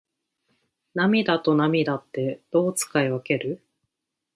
涙と泪ってどう使い分ける？